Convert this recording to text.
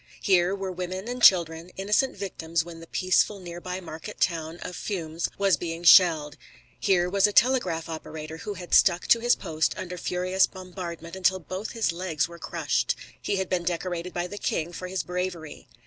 Here were women and children, innocent victims when the peaceful nearby market town of Furnes was being shelled; here was a telegraph operator who had stuck to his post under furious bombardment until both his legs were crushed. He had been decorated by the king for his bravery.